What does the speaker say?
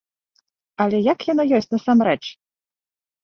Але як яно ёсць насамрэч?